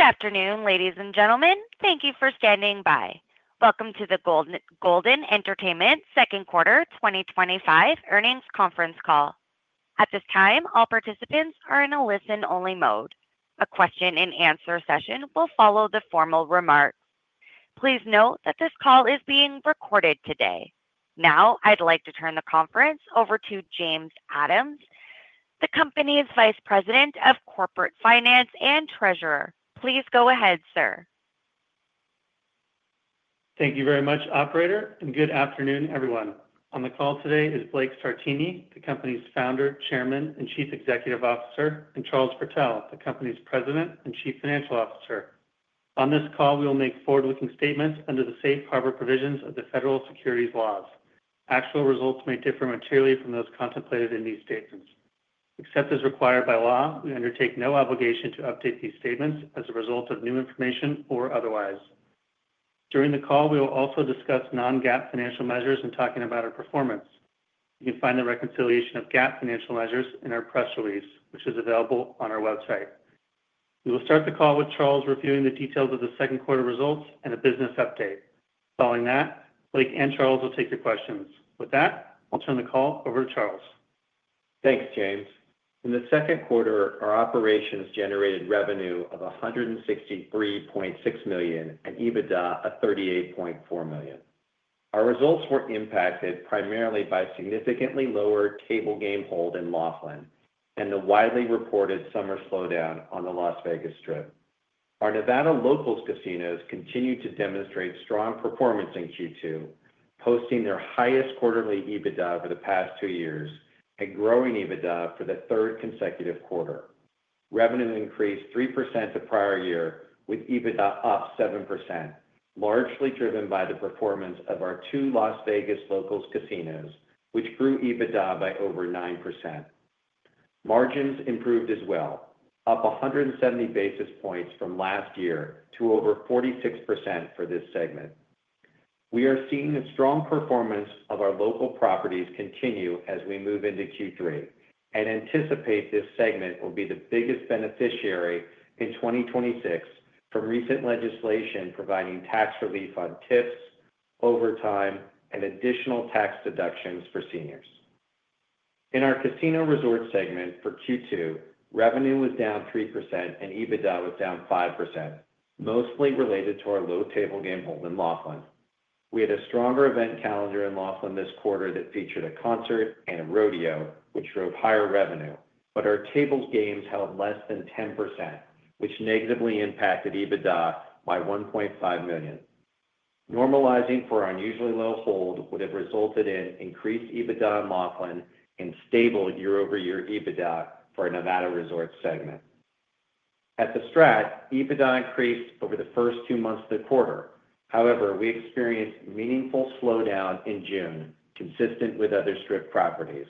Good afternoon, ladies and gentlemen. Thank you for standing by. Welcome to the Golden Entertainment Second Quarter 2025 Earnings Conference Call. At this time, all participants are in a listen-only mode. A question-and-answer session will follow the formal remarks. Please note that this call is being recorded today. Now, I'd like to turn the conference over to James Adams, the company's Vice President of Corporate Finance and Treasurer. Please go ahead, sir. Thank you very much, operator, and good afternoon, everyone. On the call today is Blake Sartini, the company's Founder, Chairman, and Chief Executive Officer, and Charles Protell, the company's President and Chief Financial Officer. On this call, we will make forward-looking statements under the safe harbor provisions of the federal securities laws. Actual results may differ materially from those contemplated in these statements. Except as required by law, we undertake no obligation to update these statements as a result of new information or otherwise. During the call, we will also discuss non-GAAP financial measures and talk about our performance. You can find the reconciliation of GAAP financial measures in our press release, which is available on our website. We will start the call with Charles reviewing the details of the second quarter results and a business update. Following that, Blake and Charles will take your questions. With that, I'll turn the call over to Charles. Thanks, James. In the second quarter, our operations generated revenue of $163.6 million and EBITDA of $38.4 million. Our results were impacted primarily by a significantly lower table game hold in Laughlin and the widely reported summer slowdown on the Las Vegas Strip. Our Nevada Locals casinos continued to demonstrate strong performance in Q2, posting their highest quarterly EBITDA over the past two years and growing EBITDA for the third consecutive quarter. Revenue increased 3% the prior year, with EBITDA up 7%, largely driven by the performance of our two Las Vegas Locals casinos, which grew EBITDA by over 9%. Margins improved as well, up 170 basis points from last year to over 46% for this segment. We are seeing the strong performance of our local properties continue as we move into Q3 and anticipate this segment will be the biggest beneficiary in 2026 from recent legislation providing tax relief on tips, overtime, and additional tax deductions for seniors. In our casino resort segment for Q2, revenue was down 3% and EBITDA was down 5%, mostly related to our low table game hold in Laughlin. We had a stronger event calendar in Laughlin this quarter that featured a concert and a rodeo, which drove higher revenue, but our table games held less than 10%, which negatively impacted EBITDA by $1.5 million. Normalizing for our unusually low hold would have resulted in increased EBITDA in Laughlin and stable year-over-year EBITDA for our Nevada resorts segment. At the STRAT, EBITDA increased over the first two months of the quarter. However, we experienced a meaningful slowdown in June, consistent with other Strip properties.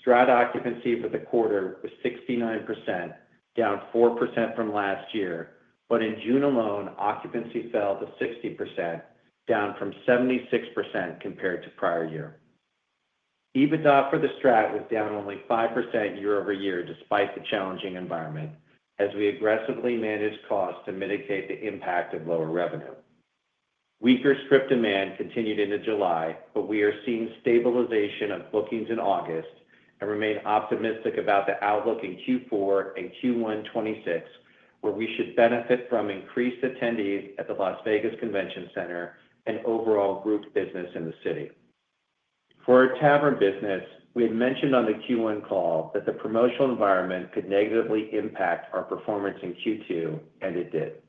STRAT occupancy for the quarter was 69%, down 4% from last year, but in June alone, occupancy fell to 60%, down from 76% compared to prior year. EBITDA for the STRAT was down only 5% year-over-year despite the challenging environment, as we aggressively managed costs to mitigate the impact of lower revenue. Weaker Strip demand continued into July, but we are seeing stabilization of bookings in August and remain optimistic about the outlook in Q4 and Q1 2026, where we should benefit from increased attendees at the Las Vegas Convention Center and overall group business in the city. For our tavern business, we had mentioned on the Q1 call that the promotional environment could negatively impact our performance in Q2, and it did.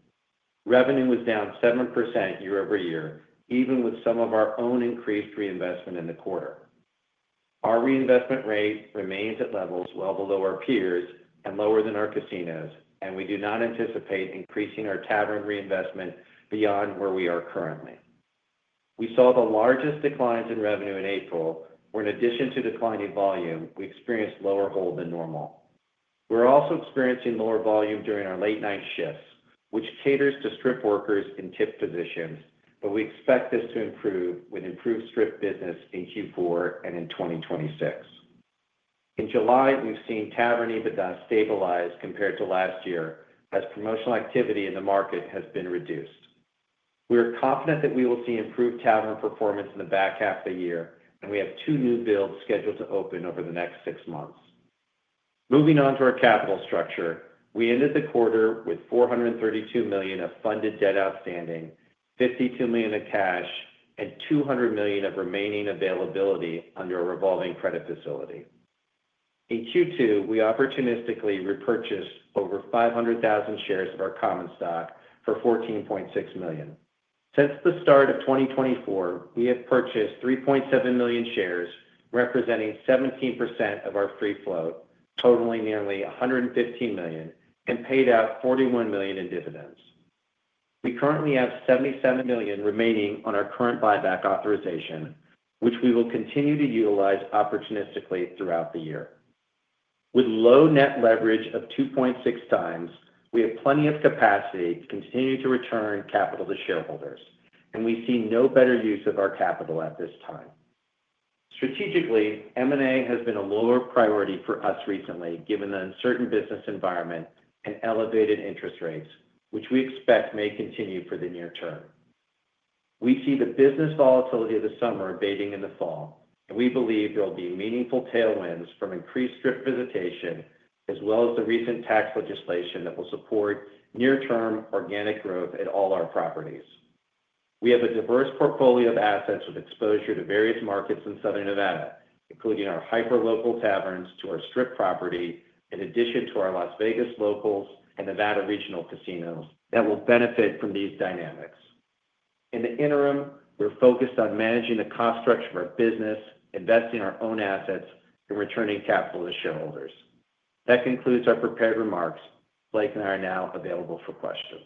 Revenue was down 7% year-over-year, even with some of our own increased reinvestment in the quarter. Our reinvestment rate remains at levels well below our peers and lower than our casinos, and we do not anticipate increasing our tavern reinvestment beyond where we are currently. We saw the largest declines in revenue in April, where in addition to declining volume, we experienced lower hold than normal. We're also experiencing lower volume during our late-night shifts, which caters to Strip workers in tip positions, but we expect this to improve with improved Strip business in Q4 and in 2026. In July, we've seen tavern EBITDA stabilize compared to last year as promotional activity in the market has been reduced. We are confident that we will see improved tavern performance in the back half of the year, and we have two new builds scheduled to open over the next six months. Moving on to our capital structure, we ended the quarter with $432 million of funded debt outstanding, $52 million of cash, and $200 million of remaining availability under a revolving credit facility. In Q2, we opportunistically repurchased over 500,000 shares of our common stock for $14.6 million. Since the start of 2024, we have purchased 3.7 million shares, representing 17% of our free float, totaling nearly $115 million, and paid out $41 million in dividends. We currently have $77 million remaining on our current buyback authorization, which we will continue to utilize opportunistically throughout the year. With low net leverage of 2.6x, we have plenty of capacity to continue to return capital to shareholders, and we see no better use of our capital at this time. Strategically, M&A has been a lower priority for us recently given the uncertain business environment and elevated interest rates, which we expect may continue for the near term. We see the business volatility of the summer abating in the fall, and we believe there will be meaningful tailwinds from increased Strip visitation, as well as the recent tax legislation that will support near-term organic growth at all our properties. We have a diverse portfolio of assets with exposure to various markets in Southern Nevada, including our hyper-local taverns to our Strip property, in addition to our Las Vegas Locals and Nevada Regional casinos that will benefit from these dynamics. In the interim, we're focused on managing the cost structure of our business, investing our own assets, and returning capital to shareholders. That concludes our prepared remarks. Blake and I are now available for questions.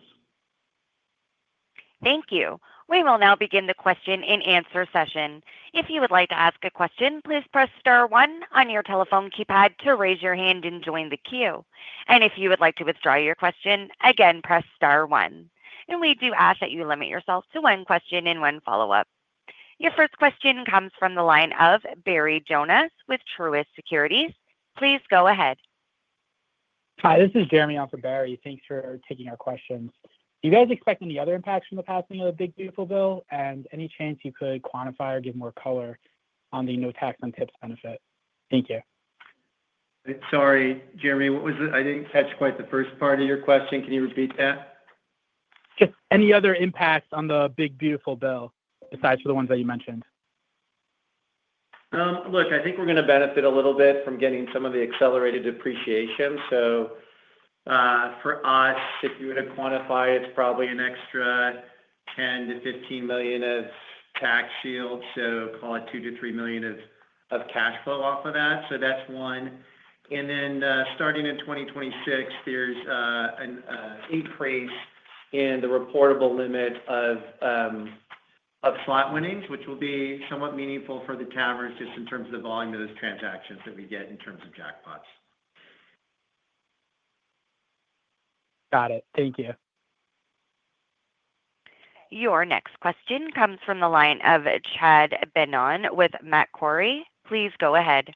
Thank you. We will now begin the question-and-answer session. If you would like to ask a question, please press star one on your telephone keypad to raise your hand and join the queue. If you would like to withdraw your question, again, press star one. We do ask that you limit yourself to one question and one follow-up. Your first question comes from the line of Barry Jonas with Truist Securities. Please go ahead. Hi, this is Jeremy on for Barry. Thanks for taking our questions. Do you guys expect any other impacts from the passing of the Big Beautiful Bill, and any chance you could quantify or give more color on the no tax on tips benefit? Thank you. Sorry, Jeremy, I didn't catch quite the first part of your question. Can you repeat that? Just any other impacts on the Big Beautiful Bill, aside from the ones that you mentioned? Look, I think we're going to benefit a little bit from getting some of the accelerated depreciation. For us, if you were to quantify, it's probably an extra $10 million-$15 million of tax shield, so call it $2 million-$3 million of cash flow off of that. That's one. Starting in 2026, there's an increase in the reportable limit of slot winnings, which will be somewhat meaningful for the taverns just in terms of the volume of those transactions that we get in terms of jackpots. Got it. Thank you. Your next question comes from the line of Chad Beynon with Macquarie. Please go ahead.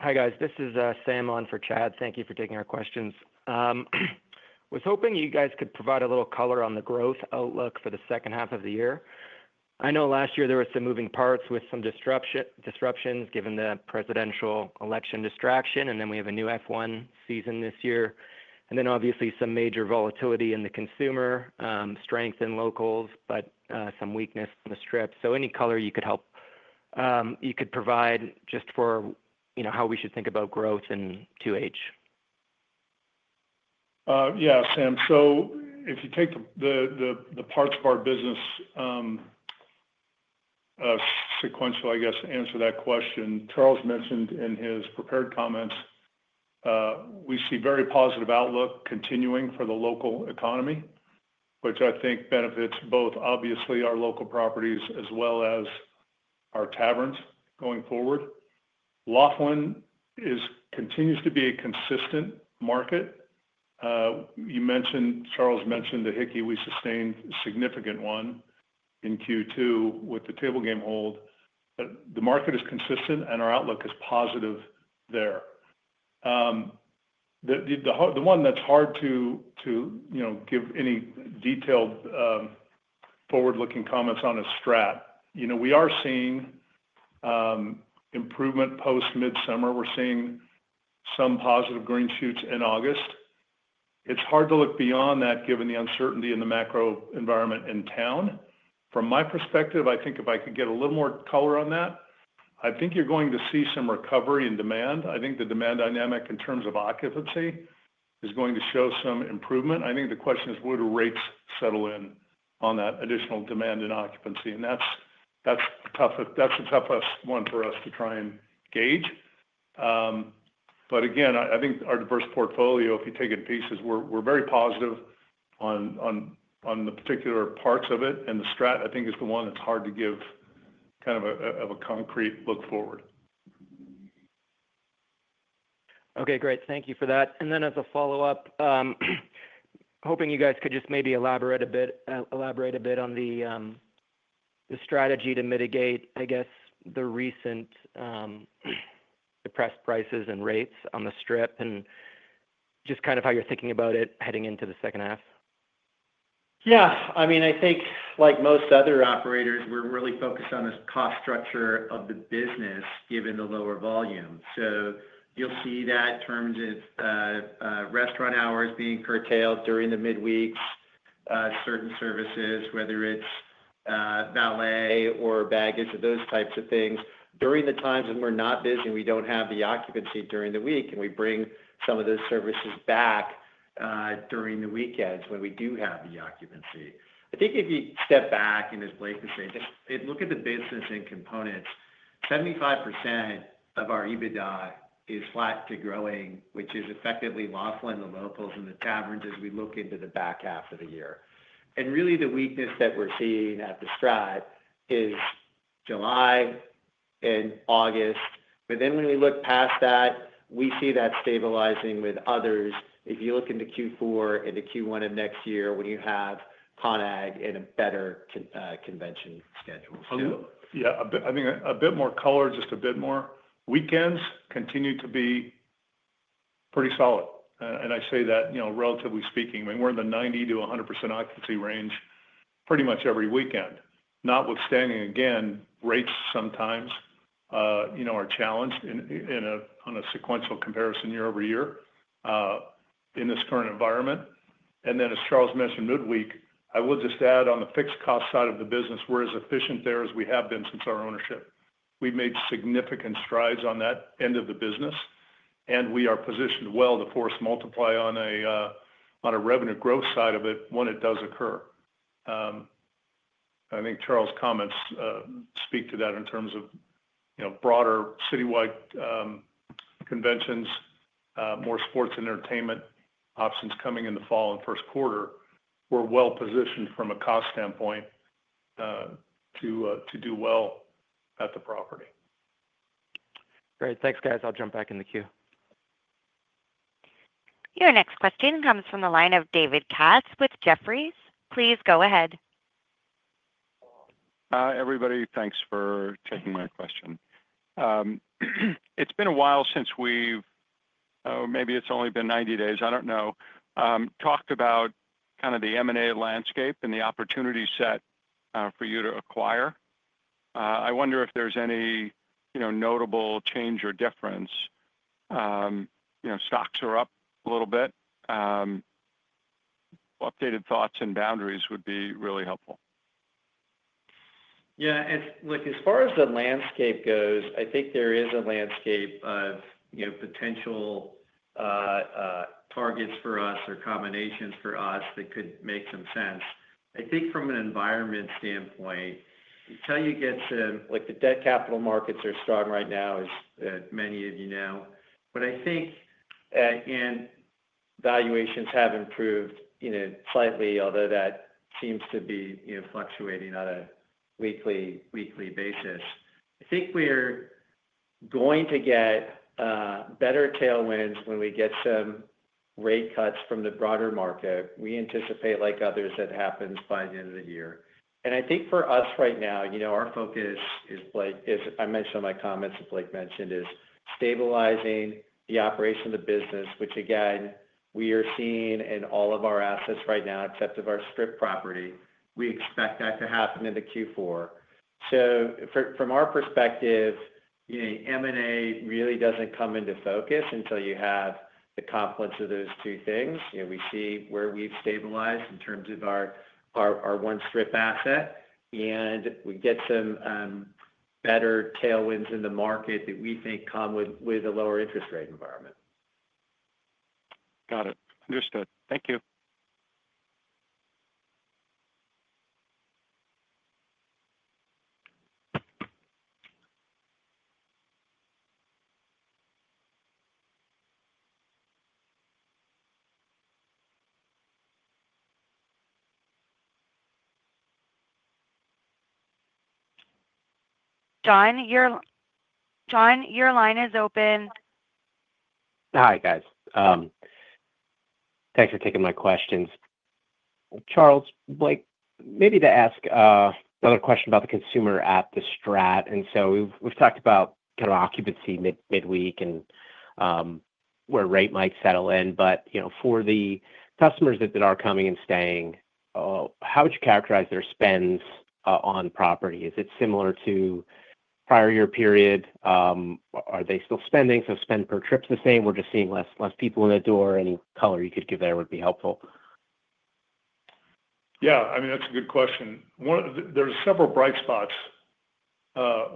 Hi guys, this is Sam on for Chad. Thank you for taking our questions. I was hoping you guys could provide a little color on the growth outlook for the second half of the year. I know last year there were some moving parts with some disruptions given the presidential election distraction, and we have a new F1 season this year. Obviously, some major volatility in the consumer strength in locals, but some weakness in the Strip. Any color you could provide just for how we should think about growth in 2H. Yeah, Sam, if you take the parts of our business sequentially, to answer that question, Charles mentioned in his prepared comments, we see a very positive outlook continuing for the local economy, which I think benefits both obviously our local properties as well as our taverns going forward. Laughlin continues to be a consistent market. You mentioned, Charles mentioned the hickey we sustained, a significant one in Q2 with the table game hold. The market is consistent and our outlook is positive there. The one that's hard to give any detailed forward-looking comments on is the STRAT. We are seeing improvement post-Midsummer. We're seeing some positive green shoots in August. It's hard to look beyond that given the uncertainty in the macro environment in town. From my perspective, if I could get a little more color on that, I think you're going to see some recovery in demand. I think the demand dynamic in terms of occupancy is going to show some improvement. The question is, would rates settle in on that additional demand and occupancy? That's a tough one for us to try and gauge. Again, I think our diverse portfolio, if you take it in pieces, we're very positive on the particular parts of it. The STRAT, I think, is the one that's hard to give kind of a concrete look forward. Okay, great. Thank you for that. As a follow-up, hoping you guys could just maybe elaborate a bit on the strategy to mitigate, I guess, the recent depressed prices and rates on the Strip and just kind of how you're thinking about it heading into the second half. Yeah, I mean, I think like most other operators, we're really focused on the cost structure of the business given the lower volume. You'll see that in terms of restaurant hours being curtailed during the midweeks, certain services, whether it's valet or baggage, those types of things, during the times when we're not busy and we don't have the occupancy during the week, and we bring some of those services back during the weekends when we do have the occupancy. I think if you step back, and as Blake was saying, look at the business and components, 75% of our EBITDA is flat to growing, which is effectively Laughlin, the locals, and the taverns as we look into the back half of the year. Really, the weakness that we're seeing at the STRAT is July and August. If you look past that, we see that stabilizing with others. If you look into Q4 and the Q1 of next year, when you have [ConExpo] and a better convention schedule. Yeah, I think a bit more color, just a bit more. Weekends continue to be pretty solid. I say that, you know, relatively speaking, I mean, we're in the 90%-100% occupancy range pretty much every weekend. Notwithstanding, again, rates sometimes, you know, are challenged in a sequential comparison year-over-year in this current environment. As Charles mentioned, midweek, I will just add on the fixed cost side of the business, we're as efficient there as we have been since our ownership. We've made significant strides on that end of the business, and we are positioned well to force multiply on a revenue growth side of it when it does occur. I think Charles' comments speak to that in terms of, you know, broader citywide conventions, more sports and entertainment options coming in the fall and first quarter. We're well positioned from a cost standpoint to do well at the property. Great. Thanks, guys. I'll jump back in the queue. Your next question comes from the line of David Katz with Jefferies. Please go ahead. Hi, everybody. Thanks for taking my question. It's been a while since we've, maybe it's only been 90 days, I don't know, talked about kind of the M&A landscape and the opportunity set for you to acquire. I wonder if there's any notable change or difference. You know, stocks are up a little bit. Updated thoughts and boundaries would be really helpful. Yeah, as far as the landscape goes, I think there is a landscape of, you know, potential targets for us or combinations for us that could make some sense. I think from an environment standpoint, until you get some, like the debt capital markets are strong right now, as many of you know. I think, again, valuations have improved, you know, slightly, although that seems to be, you know, fluctuating on a weekly basis. I think we're going to get better tailwinds when we get some rate cuts from the broader market. We anticipate, like others, that happens by the end of the year. I think for us right now, you know, our focus is, as I mentioned in my comments, as Blake mentioned, is stabilizing the operation of the business, which, again, we are seeing in all of our assets right now, except of our Strip property. We expect that to happen into Q4. From our perspective, you know, M&A really doesn't come into focus until you have the confluence of those two things. We see where we've stabilized in terms of our one Strip asset, and we get some better tailwinds in the market that we think come with a lower interest rate environment. Got it. Understood. Thank you. John, your line is open. Hi, guys. Thanks for taking my questions. Charles, Blake, maybe to ask another question about the consumer at the STRAT. We've talked about kind of occupancy midweek and where rate might settle in. For the customers that are coming and staying, how would you characterize their spends on property? Is it similar to prior year period? Are they still spending? Spend per trip's the same? We're just seeing less people in the door. Any color you could give there would be helpful. Yeah, I mean, that's a good question. There are several bright spots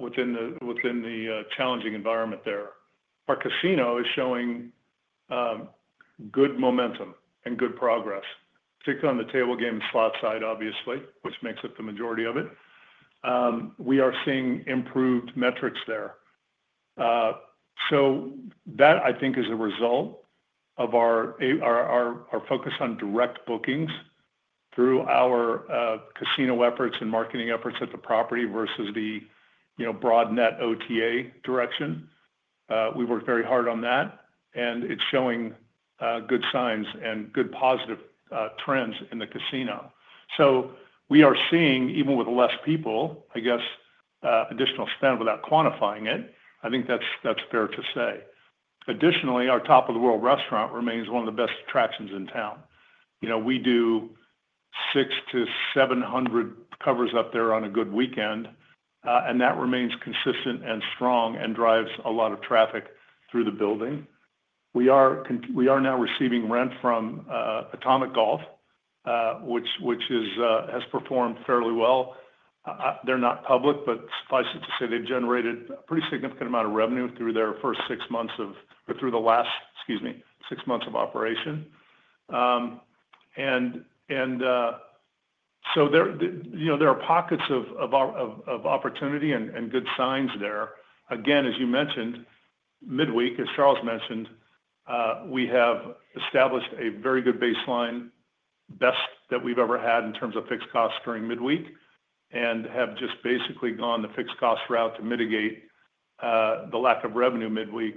within the challenging environment there. Our casino is showing good momentum and good progress, particularly on the table game slot side, obviously, which makes up the majority of it. We are seeing improved metrics there. That, I think, is a result of our focus on direct bookings through our casino efforts and marketing efforts at the property versus the, you know, broad net OTA direction. We've worked very hard on that, and it's showing good signs and good positive trends in the casino. We are seeing, even with less people, I guess, additional spend without quantifying it. I think that's fair to say. Additionally, our Top of the World restaurant remains one of the best attractions in town. We do 600-700 covers up there on a good weekend, and that remains consistent and strong and drives a lot of traffic through the building. We are now receiving rent from Atomic Golf, which has performed fairly well. They're not public, but suffice it to say they've generated a pretty significant amount of revenue through their first six months of, or through the last, excuse me, six months of operation. There are pockets of opportunity and good signs there. Again, as you mentioned, midweek, as Charles mentioned, we have established a very good baseline, best that we've ever had in terms of fixed costs during midweek and have just basically gone the fixed cost route to mitigate the lack of revenue midweek.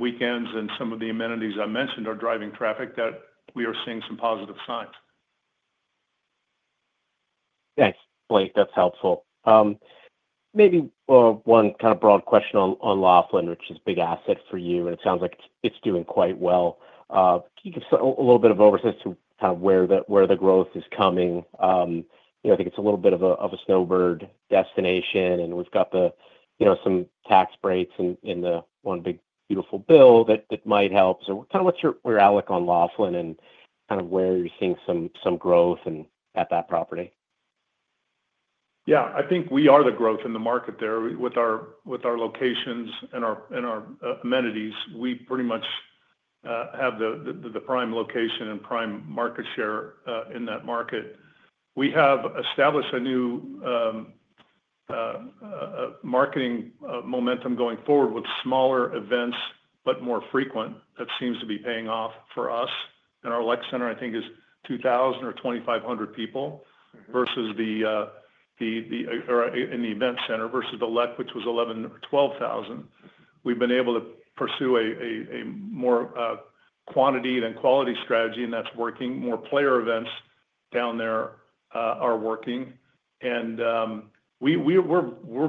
Weekends and some of the amenities I mentioned are driving traffic that we are seeing some positive signs. Thanks, Blake. That's helpful. Maybe one kind of broad question on Laughlin, which is a big asset for you, and it sounds like it's doing quite well. Can you give a little bit of oversight as to kind of where the growth is coming? I think it's a little bit of a snowbird destination, and we've got some tax breaks in the one Big Beautiful Bill that might help. What's your outlook on Laughlin and where you're seeing some growth at that property? Yeah, I think we are the growth in the market there with our locations and our amenities. We pretty much have the prime location and prime market share in that market. We have established a new marketing momentum going forward with smaller events, but more frequent. That seems to be paying off for us. Our LEC Center, I think, is 2,000 or 2,500 people versus the event center versus the LEC, which was 11,000 or 12,000. We've been able to pursue a more quantity and quality strategy, and that's working. More player events down there are working. We're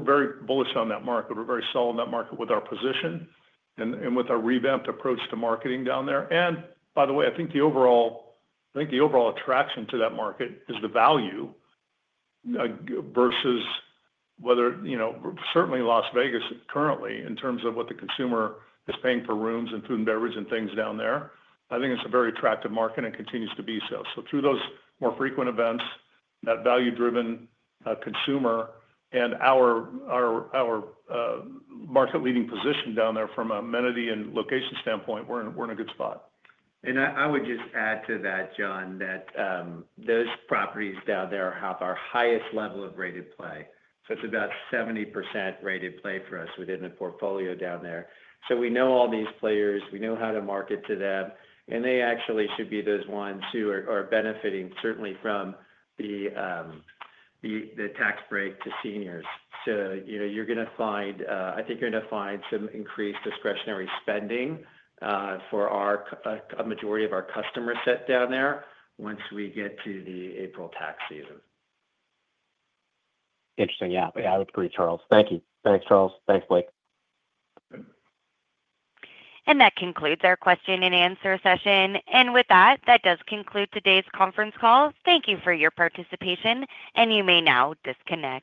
very bullish on that market. We're very solid in that market with our position and with our revamped approach to marketing down there. By the way, I think the overall attraction to that market is the value versus whether, you know, certainly Las Vegas is currently in terms of what the consumer is paying for rooms and food and beverage and things down there. I think it's a very attractive market and continues to be so. Through those more frequent events, that value-driven consumer, and our market-leading position down there from an amenity and location standpoint, we're in a good spot. I would just add to that, John, that those properties down there have our highest level of rated play. It's about 70% rated play for us within the portfolio down there. We know all these players. We know how to market to them. They actually should be those ones who are benefiting certainly from the tax break to seniors. You're going to find, I think you're going to find some increased discretionary spending for a majority of our customer set down there once we get to the April tax season. Interesting. Yeah, I would agree, Charles. Thank you. Thanks, Charles. Thanks, Blake. That concludes our question-and-answer session. With that, today's conference call does conclude. Thank you for your participation, and you may now disconnect.